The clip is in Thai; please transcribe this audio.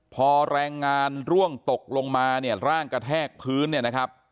พอแรงงานร่วงตกลงมาเนี่ยร่างกระแทกพื้นเนี่ยนะครับ